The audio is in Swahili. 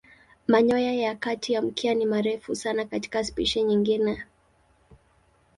Manyoya ya kati ya mkia ni marefu sana katika spishi nyingine.